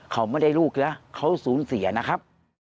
เขาไม่ได้ลูกนะเขาสูญเสียนะครับ